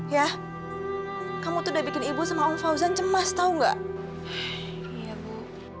ya kamu sudah bikin ibu sama om fauzan cemas tahu nggak iya bu